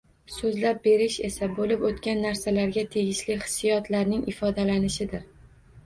So‘zlab berish esa, bo‘lib o‘tgan narsalarga tegishli hissiyotlarning ifodalanishidir.